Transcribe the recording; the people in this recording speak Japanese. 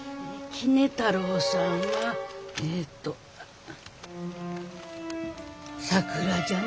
杵太郎さんはえっと桜じゃな。